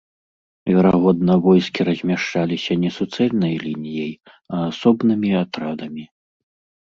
Верагодна войскі размяшчаліся не суцэльнай лініяй, а асобнымі атрадамі.